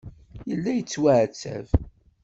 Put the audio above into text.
Yella yettwaɛettab.